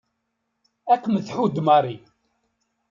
Ad kem-tḥudd Mary.